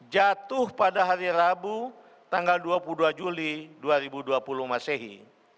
jatuh pada hari rabu tanggal dua puluh dua juli dua ribu dua puluh masehi